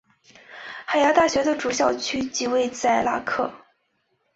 海牙大学的主校区即位在拉克。